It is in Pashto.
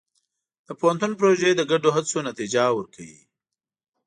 د پوهنتون پروژې د ګډو هڅو نتیجه ورکوي.